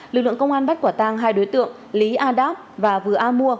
lực lượng công an bắt quả tang hai đối tượng lý a đáp và vừa a mua